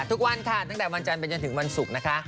ทุกวันค่ะตั้งแต่วันจำเป็นจนถึงวันสุกนะคะ